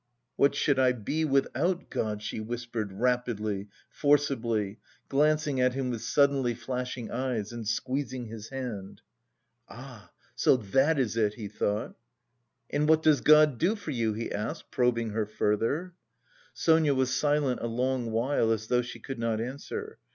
"What should I be without God?" she whispered rapidly, forcibly, glancing at him with suddenly flashing eyes, and squeezing his hand. "Ah, so that is it!" he thought. "And what does God do for you?" he asked, probing her further. Sonia was silent a long while, as though she could not answer.